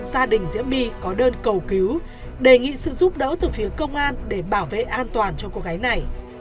gia đình diễm my có đơn cầu cứu đề nghị sự giúp đỡ từ phía công an để bảo vệ an toàn cho cô gái này